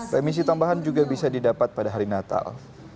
remisi tambahan juga bisa didapat pada hari natal